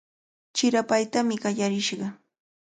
Chirapaytami qallarishqa.